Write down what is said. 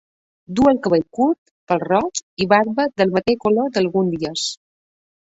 Duu el cabell curt, pèl-roig i barba del mateix color d’alguns dies.